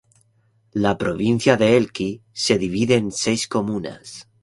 La provincia de Elqui se divide en seis comunas.